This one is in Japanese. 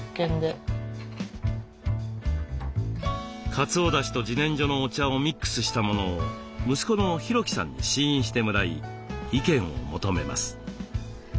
かつおだしとじねんじょのお茶をミックスしたものを息子の裕紀さんに試飲してもらい意見を求めます。